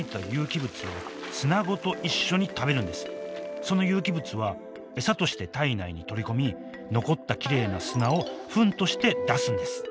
その有機物は餌として体内に取り込み残ったきれいな砂をフンとして出すんです。